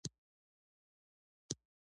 نو نن به موږ خپله پانګه درلودلای شو.